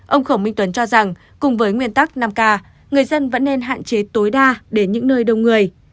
ông khổng minh tuấn cho rằng cùng với nguyên tắc năm k người dân vẫn nên hạn chế tối đa đến những nơi đông người